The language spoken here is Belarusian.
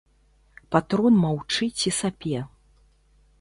Патрон маўчыць і сапе.